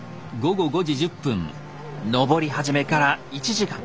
登り始めから１時間。